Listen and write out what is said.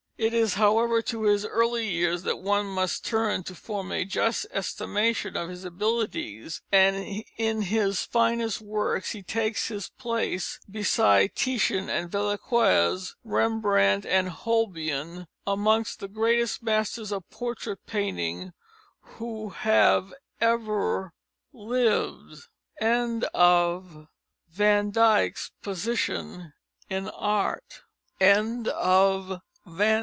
It is, however, to his early years that one must turn to form a just estimation of his abilities, and in his finest works he takes his place beside Titian and Velazquez, Rembrandt and Holbein, amongst the greatest masters of portrait painting who have ever lived. The plates are printed by BEMROSE & SONS, LTD.